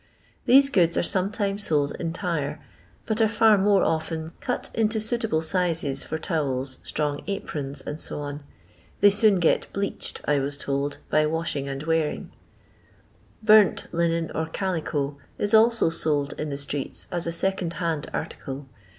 These goods are sometimes sold entire, but are far more often cut into suitable sizes for towels, strong aprons, &c. They soon get " bleached," I wns told, by washing and wear. " Din nC linen or calico is also sold in the streets as a second hand article.